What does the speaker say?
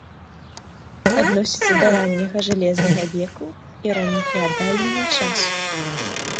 Адносіцца да ранняга жалезнага веку і раннефеадальнага часу.